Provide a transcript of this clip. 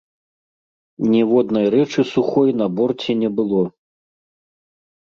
Ніводнай рэчы сухой на борце не было.